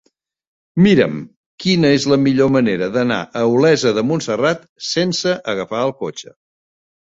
Mira'm quina és la millor manera d'anar a Olesa de Montserrat sense agafar el cotxe.